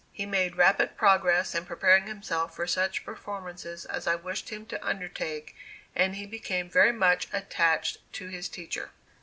He made rapid progress in preparing himself for such performances as I wished him to undertake and he became very much attached to his teacher.